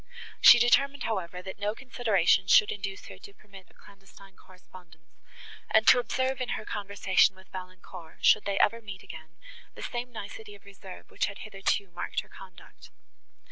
She determined, however, that no consideration should induce her to permit a clandestine correspondence, and to observe in her conversation with Valancourt, should they ever meet again, the same nicety of reserve, which had hitherto marked her conduct.